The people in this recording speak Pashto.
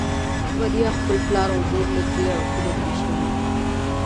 بريا خپل پلار او مور له دريو اړخونو پېژني.